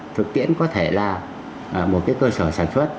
thực tiễn có thể là một cái cơ sở sản xuất